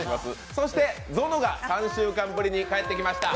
そしてゾノが３週間ぶりに帰ってきました。